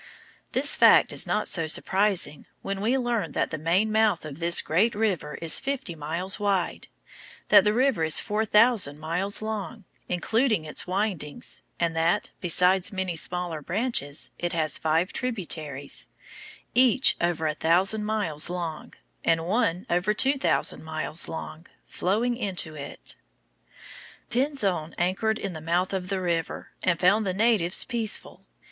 This fact is not so surprising when we learn that the main mouth of this great river is fifty miles wide, that the river is four thousand miles long, including its windings, and that, besides many smaller branches, it has five tributaries, each over a thousand miles long, and one over two thousand miles long, flowing into it. Pinzon anchored in the mouth of the river, and found the natives peaceful.